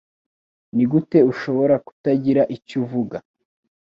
Nigute ushobora kutagira icyo uvuga?